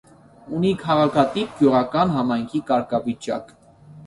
Ունի քաղաքատիպ գյուղական համայնքի կարգավիճակ։